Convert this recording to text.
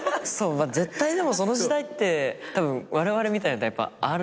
絶対でもその時代ってたぶんわれわれみたいなタイプはある。